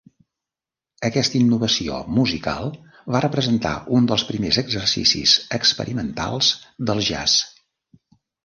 Aquesta innovació musical va representar un dels primers exercicis experimentals del jazz.